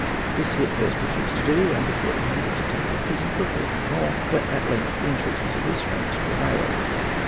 This he at first refused to do, and accordingly he was detained in prison for a fortnight more; but at length the entreaties of his friends prevailed.